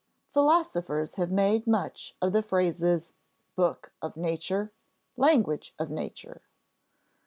Philosophers have made much of the phrases "book of nature," "language of nature."